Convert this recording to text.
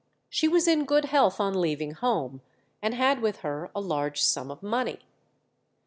She was in good health on leaving home, and had with her a large sum of money.